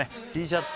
Ｔシャツ